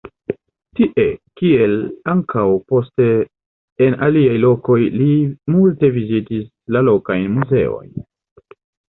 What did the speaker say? Tie, kiel ankaŭ poste en aliaj lokoj li multe vizitis la lokajn muzeojn.